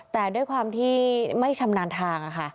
แต่ด้วยความที่ไม่ชำนาญทางค่ะ